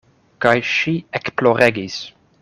Kaj ŝi ekploregis.